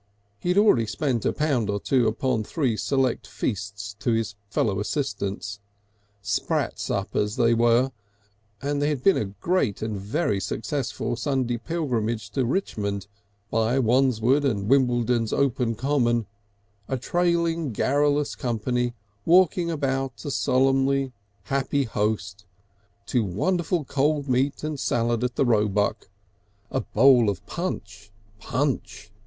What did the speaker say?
He had already spent a pound or two upon three select feasts to his fellow assistants, sprat suppers they were, and there had been a great and very successful Sunday pilgrimage to Richmond, by Wandsworth and Wimbledon's open common, a trailing garrulous company walking about a solemnly happy host, to wonderful cold meat and salad at the Roebuck, a bowl of punch, punch!